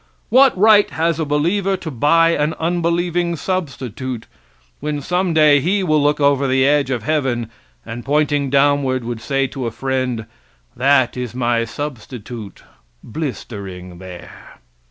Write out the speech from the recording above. What right has a believer to buy an unbelieving substitute, when some day he will look over the edge of heaven, and pointing downward, would say to a friend, "that is my substitute blistering there"?